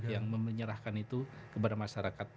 yang menyerahkan itu kepada masyarakat